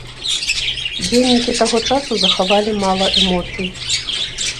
Дзённікі таго часу захавалі мала эмоцый.